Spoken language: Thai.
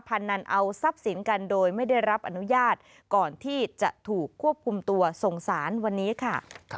นันเอาทรัพย์สินกันโดยไม่ได้รับอนุญาตก่อนที่จะถูกควบคุมตัวส่งสารวันนี้ค่ะ